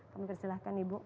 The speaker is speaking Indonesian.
kami persilahkan ibu